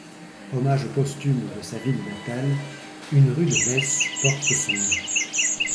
Hommage posthume de sa ville natale, une rue de Metz porte son nom.